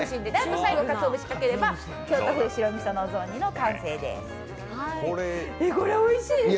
最後かつお節かければ京都風・白みそのお雑煮の完成です。